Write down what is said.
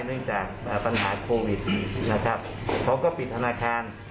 เนื่องจากปัญหาโควิดนะครับเขาก็ปิดธนาคาร